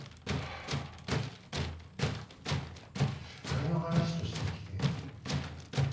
仮の話として聞け。